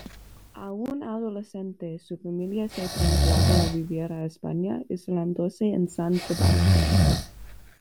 Aún adolescente, su familia se trasladó a vivir a España, instalándose en San Sebastián.